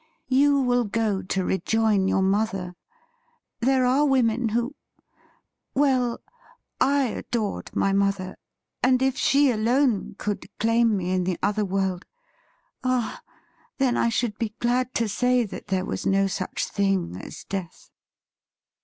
You will go to rejoin your mother. There are women who — well, I adored my mother, and if she alone could claim me in the other world, ah ! then I should be glad to say that there was no such thing as death!'